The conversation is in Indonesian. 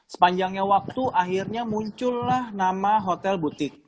sepanjangnya waktu akhirnya muncullah nama hotel butik